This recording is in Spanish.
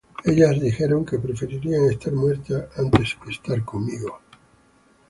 Ellas dijeron que preferían estar muertas antes que estar conmigo.